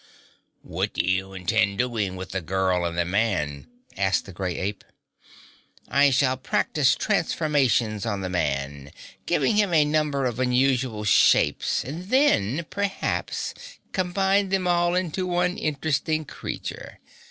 "What do you intend doing with the girl and the man?" asked the grey ape. "I shall practice transformations on the man, giving him a number of unusual shapes and then perhaps combine them all into one interesting creature.